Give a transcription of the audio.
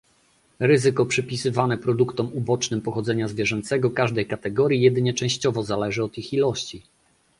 Ryzyko przypisywane produktom ubocznym pochodzenia zwierzęcego każdej kategorii jedynie częściowo zależy od ich ilości